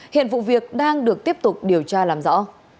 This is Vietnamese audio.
hiện vụ việc đang được tiếp tục điều tra làm rõ